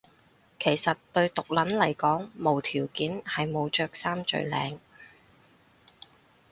其實對毒撚嚟講無條件係冇着衫最靚